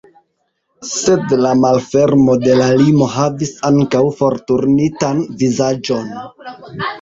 Sed la malfermo de la limo havis ankaŭ forturnitan vizaĝon.